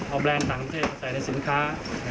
เอาแบรนด์ต่างประเทศมาใส่ในสินค้า